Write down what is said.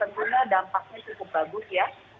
tentunya dampaknya cukup bagus ya